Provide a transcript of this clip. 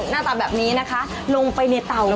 หน้าตาแบบนี้นะคะลงไปในเตา